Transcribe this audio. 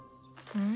うん。